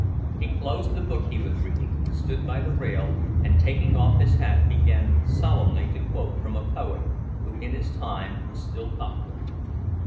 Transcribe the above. He closed the book he was reading, stood by the rail, and taking off his hat began solemnly to quote from a poet who in his time was still popular.